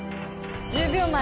１０秒前。